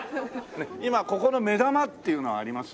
今ここの目玉っていうのはあります？